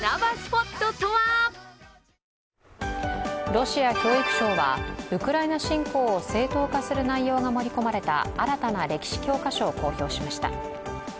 ロシア教育省はウクライナ侵攻を正当化する内容が盛り込まれた新たな歴史教科書を公表しました。